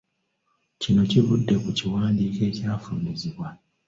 Kino kivudde ku kiwandiiko ekyafulumizibwa.